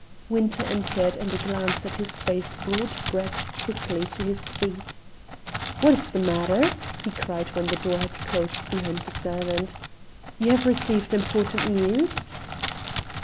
Winter entered, and a glance at his face brought Brett quickly to his feet. "What is the matter?" he cried when the door had closed behind the servant. "You have received important news?"